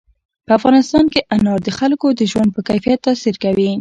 په افغانستان کې انار د خلکو د ژوند په کیفیت تاثیر کوي.